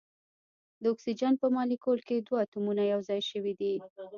د اکسیجن په مالیکول کې دوه اتومونه یو ځای شوي دي.